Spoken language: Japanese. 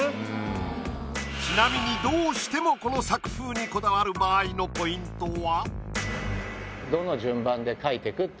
ちなみにどうしてもこの作風にこだわる場合のポイントは？